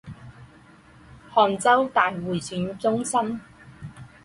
杭州大会展中心